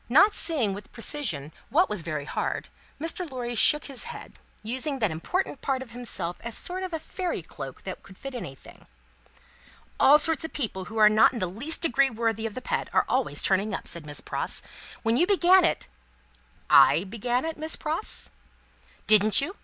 Not seeing with precision what was very hard, Mr. Lorry shook his head; using that important part of himself as a sort of fairy cloak that would fit anything. "All sorts of people who are not in the least degree worthy of the pet, are always turning up," said Miss Pross. "When you began it " "I began it, Miss Pross?" "Didn't you?